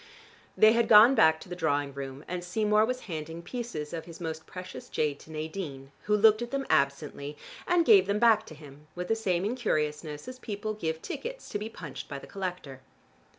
They had gone back to the drawing room and Seymour was handing pieces of his most precious jade to Nadine, who looked at them absently and then gave them back to him, with the same incuriousness as people give tickets to be punched by the collector.